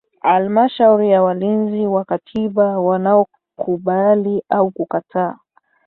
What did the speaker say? Halmashauri ya Walinzi wa Katiba wanaokubali au kukataa